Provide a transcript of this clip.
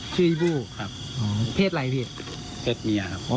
ชื่ออีบู้ครับเพศอะไรพี่เพศเปียครับ